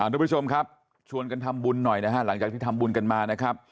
ทุกผู้ชมครับชวนกันทำบุญหน่อยนะฮะหลังจากที่ทำบุญกันมานะครับ